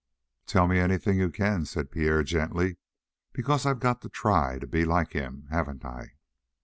"Tell me anything you can," said Pierre gently, "because I've got to try to be like him, haven't I?"